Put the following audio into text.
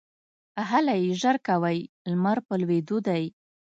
هلئ ژر کوئ ! لمر په لوېدو دی